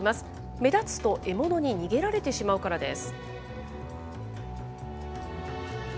目立つと獲物に逃げられてしまうからです。